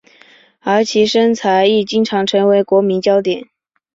而其身材亦经常成为网民焦点。